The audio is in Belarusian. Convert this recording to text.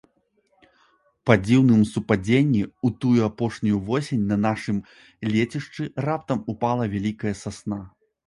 Па дзіўным супадзенні, у тую апошнюю восень на нашым лецішчы раптам упала вялікая сасна.